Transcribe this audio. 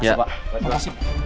terima kasih pak